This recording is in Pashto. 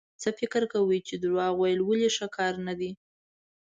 څه فکر کوئ چې دروغ ويل ولې ښه کار نه دی؟